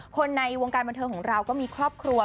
ในวงการบันเทิงของเราก็มีครอบครัว